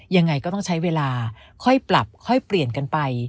ยังไงก็ต้องใช้เวลาค่อยปรับค่อยเปลี่ยนกันไป